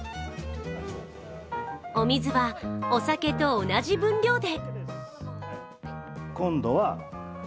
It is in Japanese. お水はお酒と同じ分量で。